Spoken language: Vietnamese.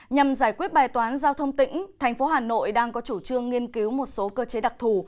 nhằm giải quyết bài toán giao thông tỉnh thành phố hà nội đang có chủ trương nghiên cứu một số cơ chế đặc thù